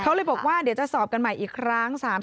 เขาเลยบอกว่าเดี๋ยวจะสอบกันใหม่อีกครั้ง